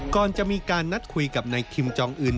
ก่อนจะมีการนัดคุยกับนายคิมจองอื่น